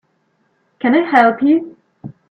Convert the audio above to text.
Can I help you?